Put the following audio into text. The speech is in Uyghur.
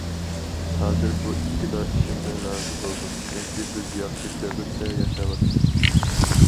ھازىر بۇ ئىككىلا ئىشىمدىن رازى بولدۇم، چۈنكى بىز ياخشى دەۋردە ياشاۋاتىمىز.